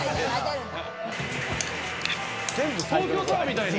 東京タワーみたいに！